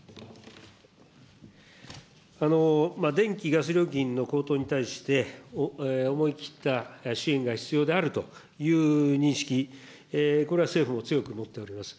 電気・ガス料金の高騰に対して、思い切った支援が必要であるという認識、これは政府も強く持っております。